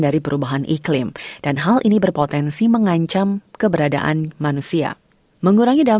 dr bradshaw setuju bahwa australia